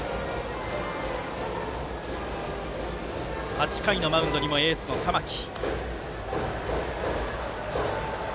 ８回のマウンドにもエースの玉木。